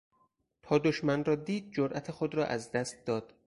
تا دشمن را دید جرات خود را از دست داد.